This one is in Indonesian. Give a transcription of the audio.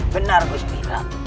benar gusti ratu